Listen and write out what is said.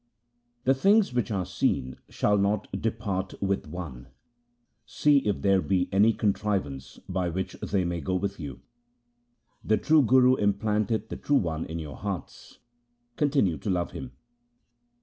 The things which are seen shall not depart with one ; see if there be any contrivance by which they may go with you. The true Guru implanteth the True One in your hearts ; continue to love Him.